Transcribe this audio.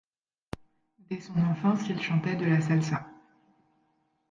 Dès son enfance, il chantait de la salsa.